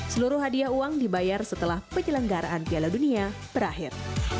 seluruh hadiah uang dibayar setelah penyelenggaraan piala dunia berakhir